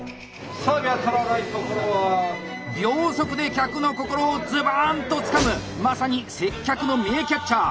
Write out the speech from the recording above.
秒速で客の心をズバーンとつかむまさに「接客の名キャッチャー」。